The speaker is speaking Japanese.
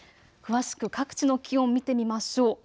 詳しく各地の気温見てみましょう。